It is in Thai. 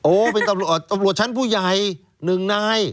เป็นตำรวจชั้นผู้ใหญ่๑นาย